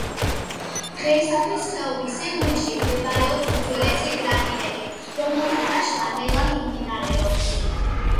დღეისათვის ხეობის სიღრმეში მდებარეობს უძველესი გრანიტები, რომელთა დაშლა ნელა მიმდინარეობს.